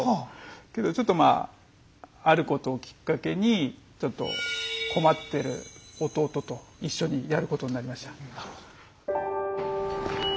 けどちょっとまああることをきっかけに困ってる弟と一緒にやることになりました。